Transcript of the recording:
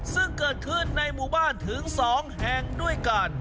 ซึ่งเกิดขึ้นในหมู่บ้านถึง๒แห่งด้วยกัน